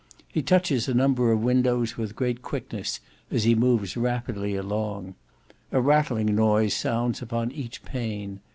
He touches a number of windows with great quickness as he moves rapidly along. A rattling noise sounds upon each pane.